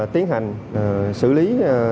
tiến hành xử lý